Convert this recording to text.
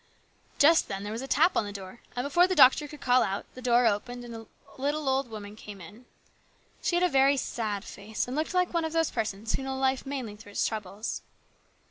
Just then there was a tap on the door, and before the doctor could call out, the door opened and a little old woman came in. She had a very sad face, and looked like one of those persons who know life mainly through its troubles.